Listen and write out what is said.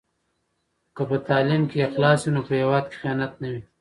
که په تعلیم کې اخلاص وي نو په هېواد کې خیانت نه وي.